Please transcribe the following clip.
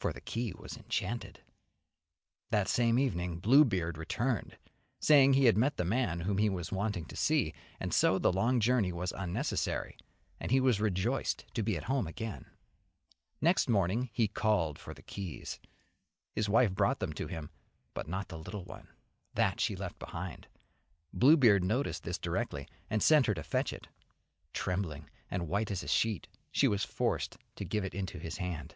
For the key was enchanted. [Illustration: Painted by Jennie Harbour BLUEBEARD] That same evening Bluebeard returned saying he had met the man whom he was wanting to see, and so the long journey was unnecessary, and he was rejoiced to be at home again. Next morning he called for the keys; his wife brought them to him, but not the little one; that she left behind. Bluebeard noticed this directly and sent her to fetch it. Trembling, and white as a sheet, she was forced to give it into his hand.